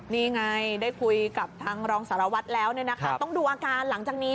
นี่ไงได้คุยกับทางรองสารวัตรแล้วต้องดูอาการหลังจากนี้